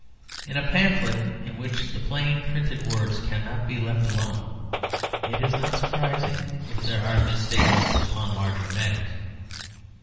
In a pamphlet in which plain printed words cannot be left alone, it is not surprising if there are mis statements upon larger matters.